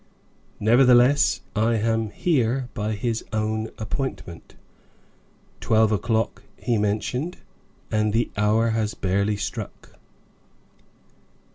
"Nevertheless, I am here by his own appointment. Twelve o'clock he mentioned; and the hour has barely struck."